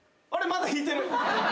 まだ弾いてる。